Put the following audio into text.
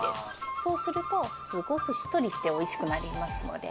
そうすると、すごくしっとりしておいしくなりますので。